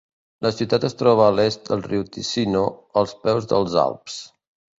La ciutat es troba a l'est del riu Ticino, als peus dels Alps.